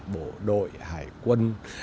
bộ đội hải quân